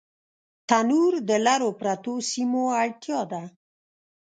تنور د لرو پرتو سیمو اړتیا ده